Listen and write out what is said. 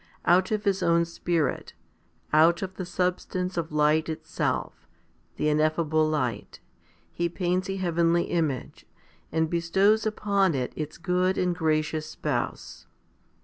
Out of His own Spirit, out of the substance of light itself, the ineffable light, He paints a heavenly image, and bestows upon it its good and gracious Spouse.